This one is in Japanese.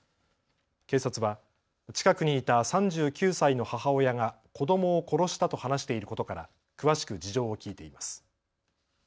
警察は近くにいた３９歳の母親が子どもを殺したと話していることから詳しく事情を聞いています。